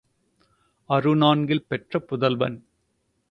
அறு நான்கில் பெற்ற புதல்வன்.